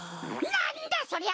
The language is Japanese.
なんだそりゃ！